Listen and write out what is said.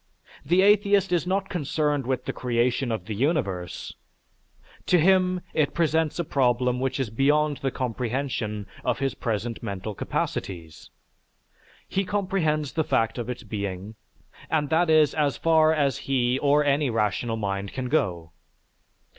The atheist is not concerned with the creation of the universe; to him it presents a problem which is beyond the comprehension of his present mental capacities. He comprehends the fact of its being, and that is as far as he or any rational mind can go.